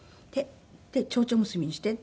「でちょうちょ結びにして」って。